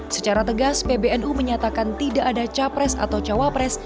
secara tegas pbnu menyatakan tidak ada capres atau cawapres